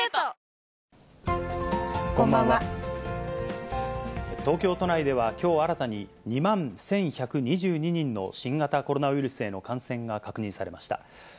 東京都内ではきょう新たに、２万１１２２人の新型コロナウイルスへの感染が確認されました。